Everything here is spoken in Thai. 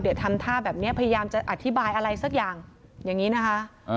เดี๋ยวทำท่าแบบนี้พยายามจะอธิบายอะไรสักอย่างอย่างนี้นะคะ